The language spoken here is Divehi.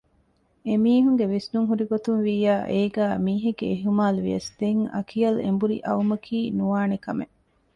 އެމީހުން ގެ ވިސްނުން ހުރިގޮތުންވިއްޔާ އޭގައި މީހެއްގެ އިހުމާލުވިޔަސް ދެން އަކިޔަލް އެނބުރި އައުމަކީ ނުވާނެކަމެއް